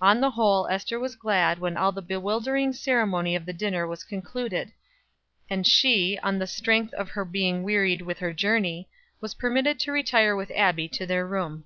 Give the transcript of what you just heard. On the whole Ester was glad when all the bewildering ceremony of the dinner was concluded, and she, on the strength of her being wearied with her journey, was permitted to retire with Abbie to their room.